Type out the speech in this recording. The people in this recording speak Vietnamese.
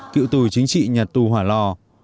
cựu tù chính trị nhà tù hòa lò